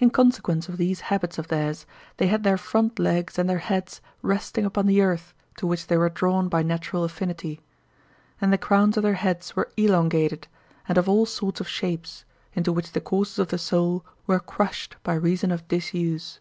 In consequence of these habits of theirs they had their front legs and their heads resting upon the earth to which they were drawn by natural affinity; and the crowns of their heads were elongated and of all sorts of shapes, into which the courses of the soul were crushed by reason of disuse.